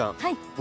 僕